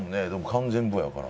完全歩合やから。